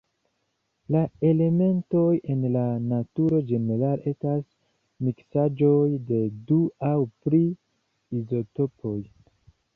La elementoj en la naturo ĝenerale estas miksaĵoj de du aŭ pli izotopoj.